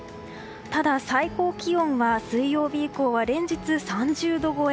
ただ、最高気温は水曜日以降は連日３０度超え。